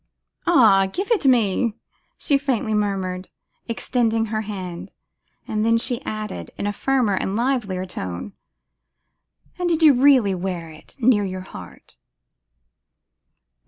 'Ah! give it me,' she faintly murmured, extending her hand; and then she added, in a firmer and livelier tone, 'and did you really wear it near your heart!